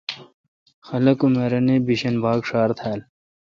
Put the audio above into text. خلق ام اے رنے بھیشن بھاگ ڄھار تھال۔